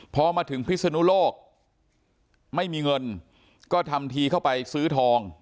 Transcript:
พอมาถึงพิศนุโลกไม่มีเงินก็ทำทีเข้าไปซื้อทอง